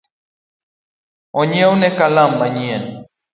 Onyiewne kalam manyien